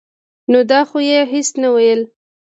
نو دا خو يې هسې نه وييل -